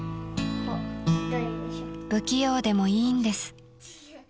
［不器用でもいいんです］